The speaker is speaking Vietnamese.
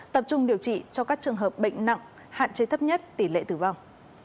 tập trung điều trị cho các trường hợp bệnh nặng hạn chế thấp nhất tỷ lệ tử vong